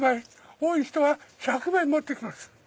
多い人は１００枚持っていきます。